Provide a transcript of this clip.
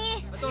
betul pak rt